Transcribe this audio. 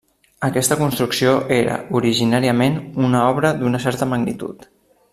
Aquesta construcció era, originàriament, una obra d'una certa magnitud.